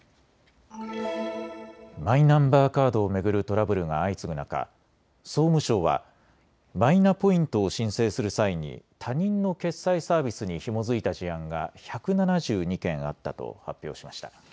マイナンバーカードを巡るトラブルが相次ぐ中、総務省はマイナポイントを申請する際に他人の決済サービスにひも付いた事案が１７２件あったと発表しました。